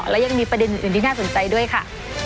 และยังมีประเด็นอื่นที่น่าสนใจด้วยค่ะ